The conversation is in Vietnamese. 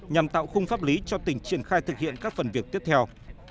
nhằm tạo khung pháp lý cho tỉnh triển khai thực hiện các phần việc tiếp theo